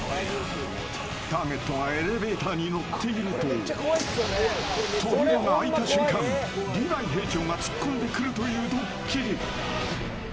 ターゲットがエレベーターに乗っていると扉が開いた瞬間、リヴァイ兵長が突っ込んでくるというドッキリ。